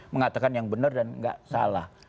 mengatakan yang benar dan nggak salah